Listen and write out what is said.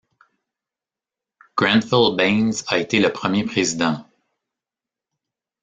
Grenfell Baines a été le premier président.